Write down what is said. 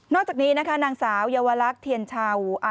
จากนี้นะคะนางสาวเยาวลักษณ์เทียนเชา